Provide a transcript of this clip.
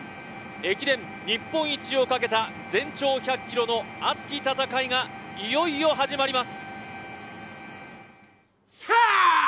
駅伝日本一を懸けた全長１００ｋｍの熱き戦いがいよいよ始まります。